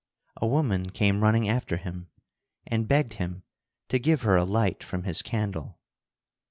A woman came running after him and begged him to give her a light from his candle.